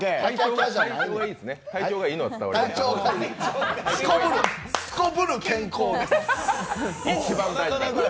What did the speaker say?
体調がいいのは伝わりました。